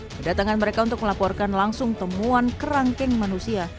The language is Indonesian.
kedatangan mereka untuk melaporkan langsung temuan kerangkeng manusia